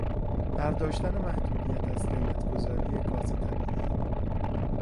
برداشتن محدودیت از قیمت گذاری گاز طبیعی